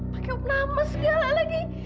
pakai upnama segala lagi